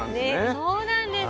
そうなんです。